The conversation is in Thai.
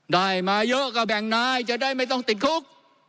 ได้มาเยอะก็แบ่งนายจะได้ไม่ต้องติดคุก